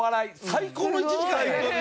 最高の１時間。